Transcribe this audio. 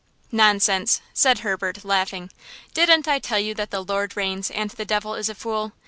"Nonsense!" said Herbert laughing; "didn't I tell you that the Lord reigns and the devil is a fool?